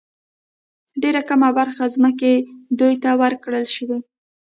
ډېره کمه برخه ځمکې دوی ته ورکړل شوې.